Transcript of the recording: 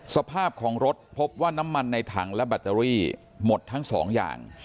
สภาพของรถพบว่าน้ำมันในถังและแบตเตอรี่หมดทั้งสองอย่าง